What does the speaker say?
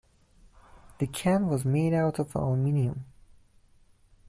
The can was made out of aluminium.